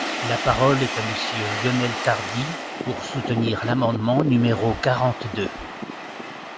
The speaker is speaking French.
La parole est à Monsieur Lionel Tardy, pour soutenir l’amendement numéro quarante-deux.